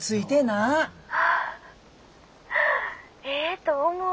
ああええと思う！